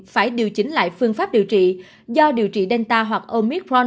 phải điều chỉnh lại phương pháp điều trị do điều trị delta hoặc omicron